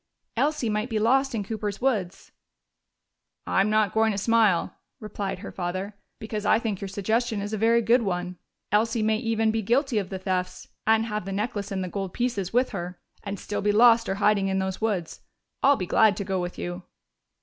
Elsie might be lost in Cooper's woods!" "I'm not going to smile," replied her father. "Because I think your suggestion is a very good one. Elsie may even be guilty of the thefts and have the necklace and the gold pieces with her and still be lost or hiding in those woods. I'll be glad to go with you."